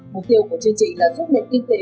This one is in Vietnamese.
mục tiêu của chương trình là giúp nền kinh tế